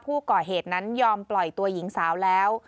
ผู้ก่อเหตุนั้นยอมปล่อยตัวหญิงสาวแล้ว